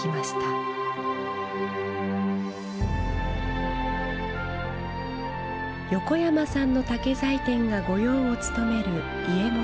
横山さんの竹材店が御用を務める家元の茶室です。